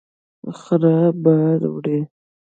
خره بار وړي.